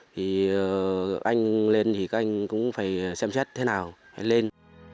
thì anh lên thì các anh cũng phải xem xét thế nào hay lên